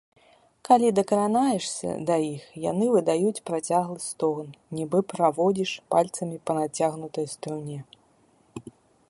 Калі дакранешся да іх, яны выдаюць працяглы стогн, нібы праводзіш пальцам па нацягнутай струне.